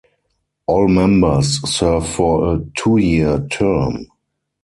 All members serve for a two-year term.